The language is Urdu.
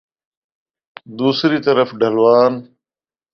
دوسری طرف ڈھلوان